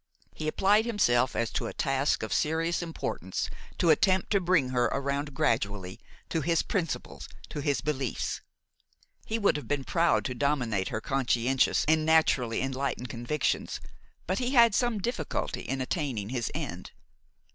He applied himself as to a task of serious importance to the attempt to bring her around gradually to his principles, to his beliefs. He would have been proud to dominate her conscientious and naturally enlightened convictions but he had some difficulty in attaining his end.